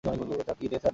চা কি স্যার দিয়ে যাব?